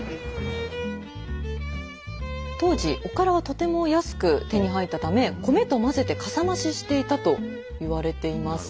当時おからはとても安く手に入ったため米とまぜてかさ増ししていたと言われています。